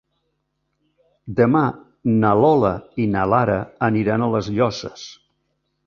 Demà na Lola i na Lara aniran a les Llosses.